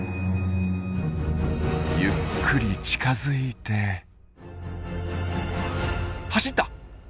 ゆっくり近づいて走った！